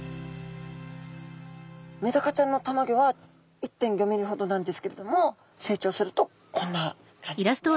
メダカちゃんのたまギョは１．５ｍｍほどなんですけれども成長するとこんな感じですね。